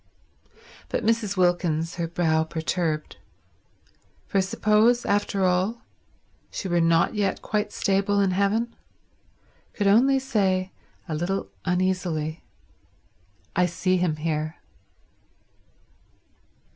But Mrs. Wilkins, her brow perturbed—for suppose after all she were not yet quite stable in heaven?—could only say, a little uneasily, "I see him here."